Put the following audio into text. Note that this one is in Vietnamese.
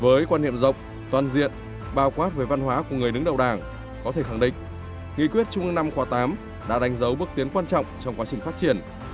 với quan niệm rộng toàn diện bao quát về văn hóa của người đứng đầu đảng có thể khẳng định nghị quyết trung ương năm khóa tám đã đánh dấu bước tiến quan trọng trong quá trình phát triển